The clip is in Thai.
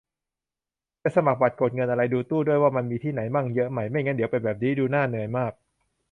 จะสมัครบัตรกดเงินอะไร ดูตู้ด้วย ว่ามันมีที่ไหนมั่ง เยอะไหม ไม่งั้นเดี๋ยวเป็นแบบนี้ ดูน่าเหนื่อยมาก